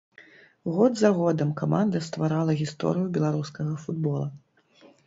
Год за годам каманда стварала гісторыю беларускага футбола.